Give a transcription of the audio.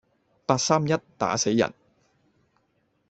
八三一打死人